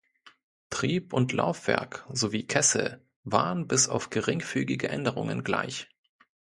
Trieb- und Laufwerk sowie Kessel waren bis auf geringfügige Änderungen gleich.